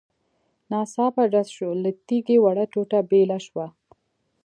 . ناڅاپه ډز شو، له تيږې وړه ټوټه بېله شوه.